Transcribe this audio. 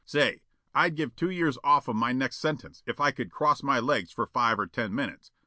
Say, I'd give two years off of my next sentence if I could cross my legs for five or ten minutes.